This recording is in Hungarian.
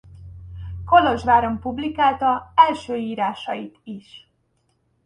Kolozsváron publikálta első írásait is.